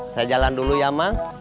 saya jalan dulu ya mang